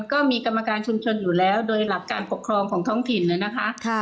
ก็มีกรรมการชุมชนอยู่แล้วโดยหลักการปกครองของท้องถิ่นเลยนะคะ